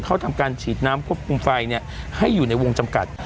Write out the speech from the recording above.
ทำการฉีดน้ำควบคุมไฟให้อยู่ในวงจำกัด